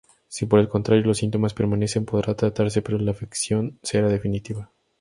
Si por el contrario los síntomas permanecen, podrá tratarse, pero la afección será definitiva.